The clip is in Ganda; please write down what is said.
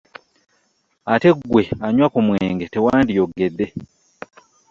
Ate ggwe anywa ku mwenge tewandiyogedde.